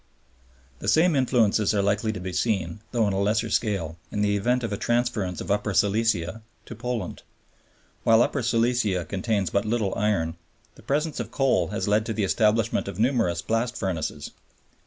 The same influences are likely to be seen, though on a lesser scale, in the event of the transference of Upper Silesia to Poland. While Upper Silesia contains but little iron, the presence of coal has led to the establishment of numerous blast furnaces.